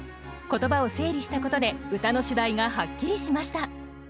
言葉を整理したことで歌の主題がはっきりしました。